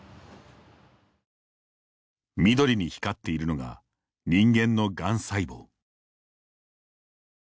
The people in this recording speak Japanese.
緑に光っているのが人間のがん細胞。